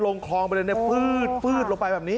ลงคลองไปเลยเนี่ยฟืดลงไปแบบนี้